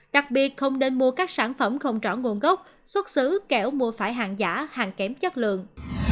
đặc biệt không nên mua các sản phẩm không rõ nguồn gốc xuất xứ kẻo mua phải hàng giả hàng kém chất lượng